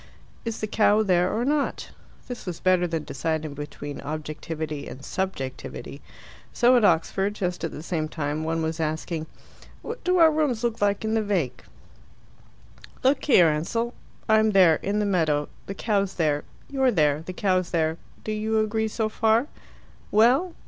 Is the cow there or not? This was better than deciding between objectivity and subjectivity. So at Oxford, just at the same time, one was asking, "What do our rooms look like in the vac.?" "Look here, Ansell. I'm there in the meadow the cow's there. You're there the cow's there. Do you agree so far?" "Well?"